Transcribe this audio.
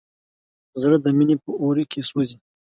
زړه د مینې په اور کې سوځي.